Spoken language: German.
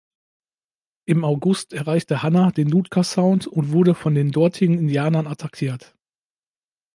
Im August erreichte Hanna den Nootka-Sound und wurde von den dortigen Indianern attackiert.